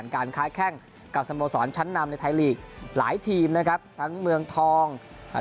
การค้าแข้งกับสโมสรชั้นนำในไทยลีกหลายทีมนะครับทั้งเมืองทองอ่า